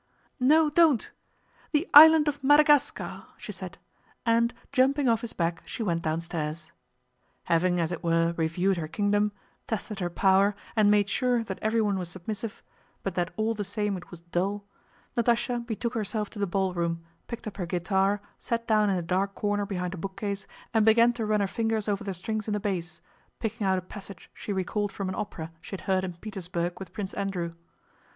"No, don't... the island of Madagascar!" she said, and jumping off his back she went downstairs. Having as it were reviewed her kingdom, tested her power, and made sure that everyone was submissive, but that all the same it was dull, Natásha betook herself to the ballroom, picked up her guitar, sat down in a dark corner behind a bookcase, and began to run her fingers over the strings in the bass, picking out a passage she recalled from an opera she had heard in Petersburg with Prince Andrew.